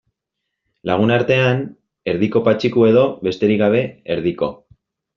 Lagunartean, Erdiko Patxiku edo, besterik gabe, Erdiko.